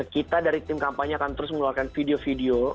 kita dari tim kampanye akan terus mengeluarkan video video